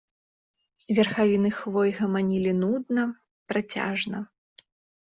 Верхавіны хвой гаманілі нудна, працяжна.